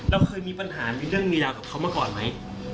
เราเคยมีปัญหามีเรื่องมีราวกับเขามาก่อนไหม